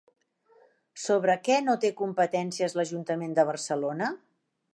Sobre què no té competències l'Ajuntament de Barcelona?